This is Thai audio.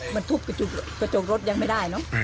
มันทุบกระจกรถยังไม่ได้เนอะ